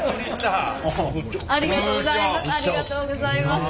ありがとうございます。